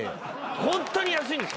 ホントに安いんです